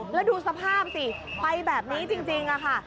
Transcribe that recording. แล้วดูสภาพสิไปแบบนี้จริงค่ะ